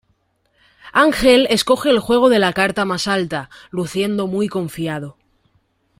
Angel escoge el juego de la carta más alta, luciendo muy confiado.